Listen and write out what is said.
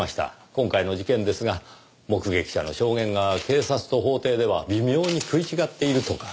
今回の事件ですが目撃者の証言が警察と法廷では微妙に食い違っているとか。